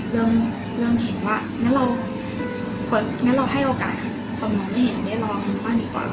เริ่มเห็นว่างั้นเราให้โอกาสคนมันไม่เห็นได้ลองบ้างดีกว่า